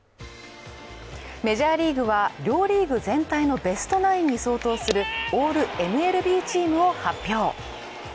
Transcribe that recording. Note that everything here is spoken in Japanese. メジャーリーグは両リーグ全体のベストナインに相当するオールＭＬＢチームを発表